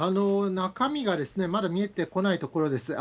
中身がまだ見えてこないところです。